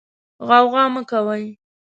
غوغا مه کوئ.